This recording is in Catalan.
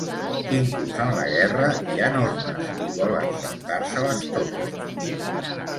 Inclús en la guerra hi ha normes i volen saltar-se-les totes.